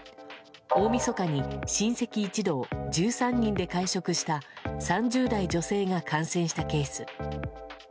大みそかに親戚一同、１３人で会食した３０代女性が感染したケース。